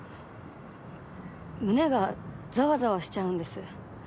胸がざわざわしちゃうんです。